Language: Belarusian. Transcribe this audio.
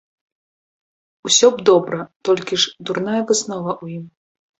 Усё б добра, толькі ж дурная выснова ў ім.